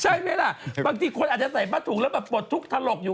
ใช่ไหมล่ะบางทีคนอาจจะใส่ผ้าถุงแล้วแบบปลดทุกข์ถลกอยู่